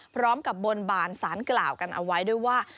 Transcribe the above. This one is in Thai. พร้อมกับบนบานสารกล่าวกันเอาไว้ด้วยว่า